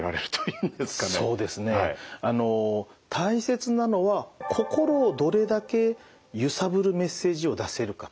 そうですね大切なのは心をどれだけゆさぶるメッセージを出せるかと。